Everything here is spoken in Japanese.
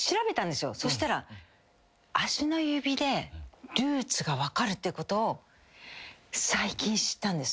そしたら足の指でルーツが分かるっていうことを最近知ったんです。